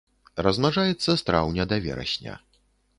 Размнажаецца з траўня да верасня.